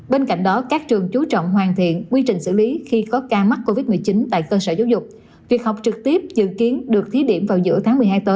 bên cạnh đó các trường chú trọng hoàn thiện quy trình xử lý khi có ca mắc covid một mươi chín tại cơ sở giáo dục